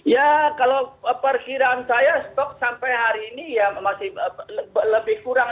ya kalau perkiraan saya stok sampai hari ini ya masih lebih kurang